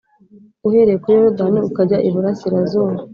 uhereye kuri Yorodani ukajya iburasirazuba